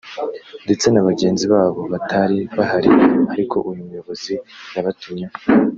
ndetse na bagenzi babo batari bahari ariko uyu muyobozi yabatumyeho